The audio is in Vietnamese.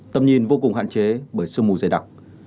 tầm nhìn vô cùng hạn chế bởi sương mù dày đặc